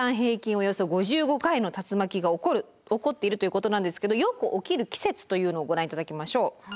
およそ５５回の竜巻が起こる起こっているということなんですけどよく起きる季節というのをご覧いただきましょう。